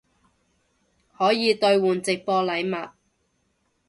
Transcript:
可以兑换直播禮物